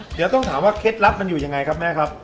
เดี๋ยวต้องถามว่าเคล็ดลับมันอยู่ยังไงครับแม่ครับ